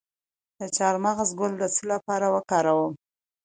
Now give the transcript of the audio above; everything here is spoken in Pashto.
د چارمغز ګل د څه لپاره وکاروم؟